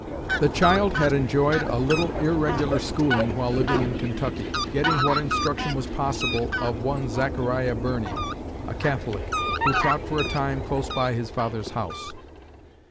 The child had enjoyed a little irregular schooling while living in Kentucky, getting what instruction was possible of one Zachariah Birney, a Catholic, who taught for a time close by his father's house.